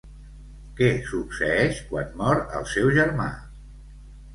Què succeeix quan mor el seu germà?